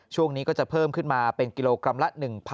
ช่วงนี้ก็จะเพิ่มขึ้นมาเป็นกิโลกรัมละ๑๐๐